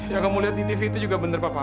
yang kamu liat di tv itu juga bener papa aku